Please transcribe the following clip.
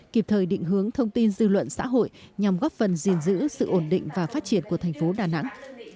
kịp thời định hướng thông tin dư luận xã hội nhằm góp phần giữ sự ổn định và phát triển của tp đà nẵng